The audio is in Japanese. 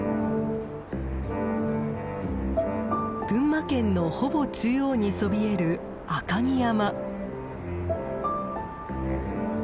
群馬県のほぼ中央にそびえる赤城山。